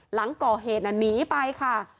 หลังก่อเหตุหนีไปค่ะ